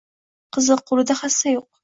Qiziq, qo‘lida hassa yo‘q.